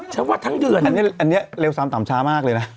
ฉันว่าทั้งเดือนอันนี้เร็วซ้ำต่ำช้ามากเลยนะ